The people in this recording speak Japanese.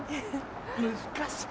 難しい。